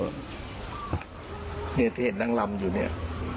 ที่เดินที่เห็นนางรำยูเนี่ย